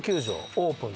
オープン